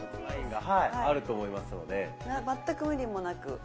全く無理もなく。